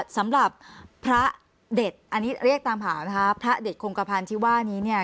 สำหรับพระเด็ดอันนี้เรียกตามหานะคะพระเด็ดคงกระพันธ์ที่ว่านี้เนี่ย